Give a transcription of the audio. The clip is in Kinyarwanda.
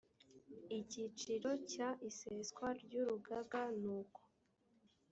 icyiciro cya iseswa ry urugaga n uko